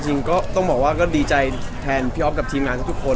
จริงก็ต้องบอกว่าก็ดีใจแทนพี่อ๊อฟกับทีมงานทุกคน